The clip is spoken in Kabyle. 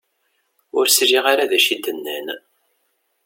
Ur sliɣ ara d acu i d-nnan.